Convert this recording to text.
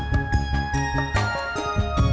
semarang semarang semarang